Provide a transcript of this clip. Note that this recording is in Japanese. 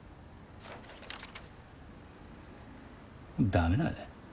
駄目だね。